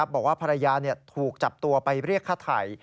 บอกว่าภรรยาถูกจับตัวไปเรียกฆ่าไถ่